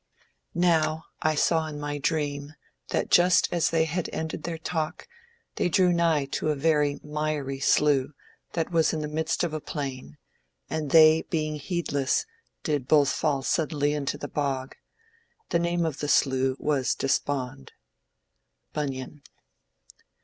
"Now, I saw in my dream, that just as they had ended their talk, they drew nigh to a very miry slough, that was in the midst of the plain; and they, being heedless, did both fall suddenly into the bog. The name of the slough was Despond."—BUNYAN.